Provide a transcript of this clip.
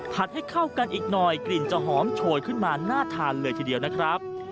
ให้เข้ากันอีกหน่อยกลิ่นจะหอมโชยขึ้นมาน่าทานเลยทีเดียวนะครับ